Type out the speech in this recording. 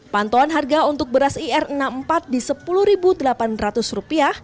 pantauan harga untuk beras ir enam puluh empat di rp sepuluh delapan ratus